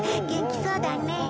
元気そうだね。